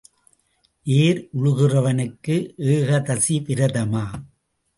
ஏர் உழுகிறவனுக்கு ஏகாதசி விரதமா?